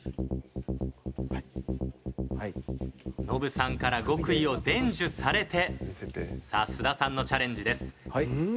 ノブさんから極意を伝授されてさあ菅田さんのチャレンジです。